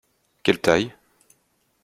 Quelle taille ?